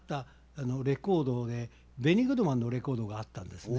ベニー・グッドマンのレコードがあったんですね。